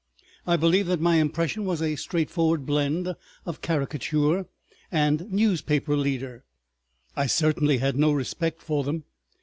I believe that my impression was a straightforward blend of caricature and newspaper leader. I certainly had no respect for them.